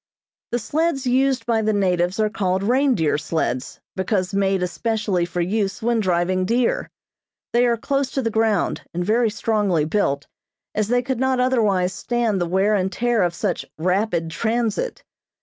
The sleds used by the natives are called reindeer sleds because made especially for use when driving deer. They are close to the ground, and very strongly built, as they could not otherwise stand the wear and tear of such "rapid transit."